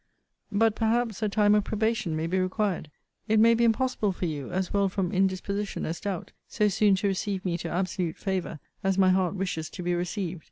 But, perhaps, a time of probation may be required. It may be impossible for you, as well from indisposition as doubt, so soon to receive me to absolute favour as my heart wishes to be received.